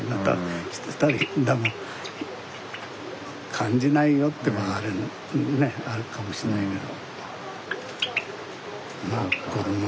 感じないよってばあれねあるかもしんないけど。